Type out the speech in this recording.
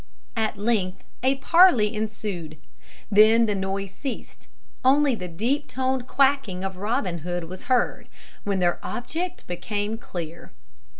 At length a parley ensued. Then the noise ceased. Only the deep toned quacking of Robin Hood was heard, when their object became clear.